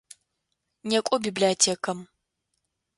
Некӏо библиотекэм!